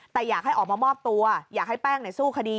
แต่อยากให้ออกมามอบตัวอยากให้แป้งสู้คดี